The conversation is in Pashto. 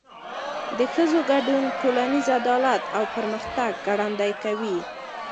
د ښځو ګډون ټولنیز عدالت او پرمختګ ګړندی کوي.